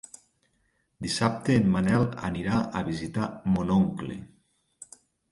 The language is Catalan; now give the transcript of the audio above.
Dissabte en Manel anirà a visitar mon oncle.